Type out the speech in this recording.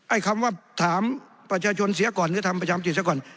ไอ้คำว่าถามประชาชนเสียกรหรือทำประชามติเสียกร